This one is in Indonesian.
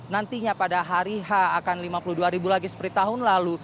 nantinya pada hari h akan lima puluh dua ribu lagi seperti tahun lalu